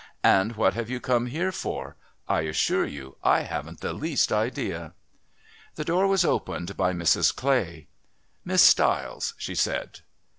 And what have you come here for? I assure you I haven't the least idea." The door was opened by Mrs. Clay. "Miss Stiles," she said.